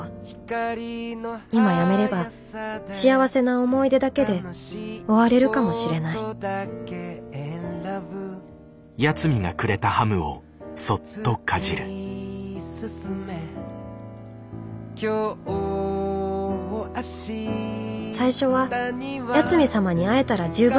今辞めれば幸せな思い出だけで終われるかもしれない最初は八海サマに会えたら十分だった。